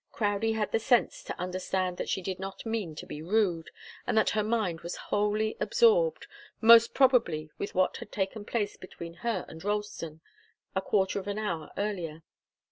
Crowdie had the sense to understand that she did not mean to be rude, and that her mind was wholly absorbed most probably with what had taken place between her and Ralston a quarter of an hour earlier.